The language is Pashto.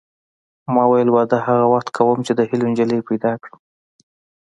ما ویل واده هغه وخت کوم چې د هیلو نجلۍ پیدا کړم